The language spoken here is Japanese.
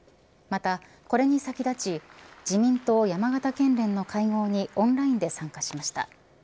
またこれに先立ち自民党山形県連の会合にオンラインで参加しました。